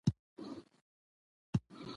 مېلې د خلکو تر منځ د ګډو خاطرو ځای دئ.